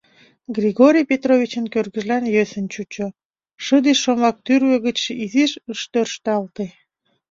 Григорий Петровичын кӧргыжлан йӧсын чучо, шыде шомак тӱрвӧ гычше изиш ыш тӧршталте.